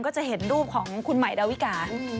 ก็จะเห็นรูปของคุณใหม่ดาวิกา